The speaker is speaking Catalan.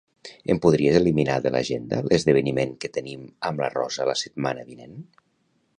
Em podries eliminar de l'agenda l'esdeveniment que tenim amb la Rosa la setmana vinent?